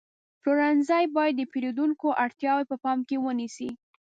پلورنځی باید د پیرودونکو اړتیاوې په پام کې ونیسي.